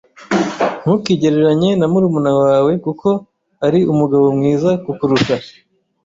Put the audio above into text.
Ntukigereranye na murumuna wawe kuko ari umugabo mwiza kukurusha. (_kuyobora)